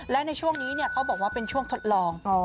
และในช่วงนี้เขาบอกว่าเป็นช่วงทดลอง